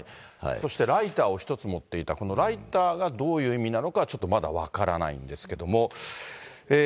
そしてライターを１つ持っていた、このライターがどういう意味なのかは、ちょっとまだ分からないんですけども。